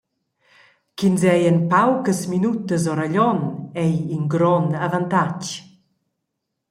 Ch’ins ei en paucas minutas ora Glion ei in grond avantatg.